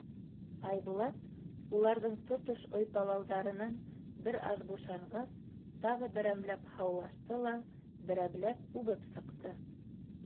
Айбулат, уларҙың тотош ойпалауҙарынан бер аҙ бушанғас, тағы берәмләп һаулашты ла берәмләп үбеп сыҡты.